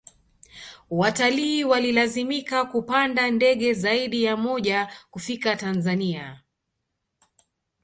watalii walilazimika kupanda ndege zaidi ya moja kufika tanzania